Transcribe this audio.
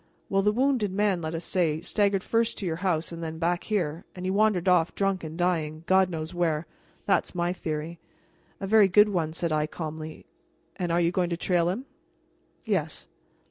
Well, the wounded man, let us say, staggered first to your house and then back here, and he wandered off, drunk and dying, God knows where. That's my theory." "A very good one," said I calmly. "And you are going to trail him?" "Yes."